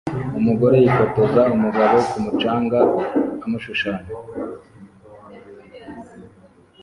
Umugore yifotoza umugabo ku mucanga amushushanya